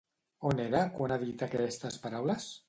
On era quan ha dit aquestes paraules?